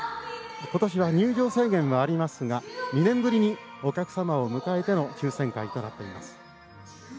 ことしは入場制限はありますが２年ぶりにお客様を入れて抽せん会が行われています。